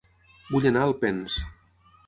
Vull anar a Alpens